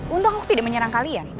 untung aku tidak menyerang kalian